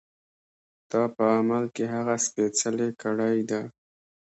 دا په عمل کې هغه سپېڅلې کړۍ ده.